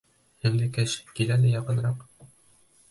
Һеңлекәш, кил әле яҡыныраҡ.